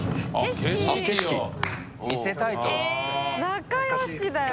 仲良しだよ